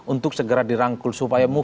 untuk segera dirangkul supaya